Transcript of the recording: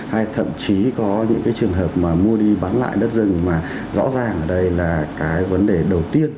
hay thậm chí có những cái trường hợp mà mua đi bán lại đất rừng mà rõ ràng ở đây là cái vấn đề đầu tiên